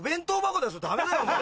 ダメだよお前。